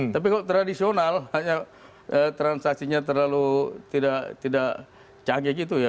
tapi kalau tradisional hanya transaksinya terlalu tidak canggih gitu ya